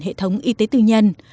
hệ thống y tế tư nhân